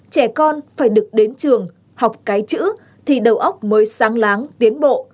trẻ con phải được đến trường học cái chữ thì đầu óc mới sáng láng tiến bộ